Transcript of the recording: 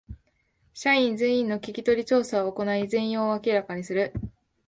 社員全員の聞き取り調査を行い全容を明らかにする